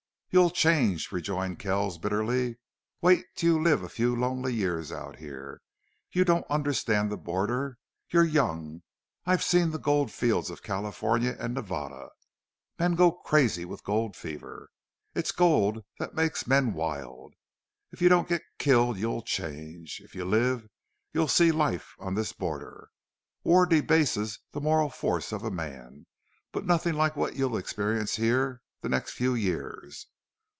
"You'll change," rejoined Kells, bitterly. "Wait till you live a few lonely years out here! You don't understand the border. You're young. I've seen the gold fields of California and Nevada. Men go crazy with the gold fever. It's gold that makes men wild. If you don't get killed you'll change. If you live you'll see life on this border. War debases the moral force of a man, but nothing like what you'll experience here the next few years.